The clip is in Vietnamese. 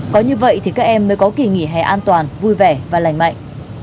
có như vậy thì các em mới có kỳ nghỉ hè an toàn vui vẻ và lành mạnh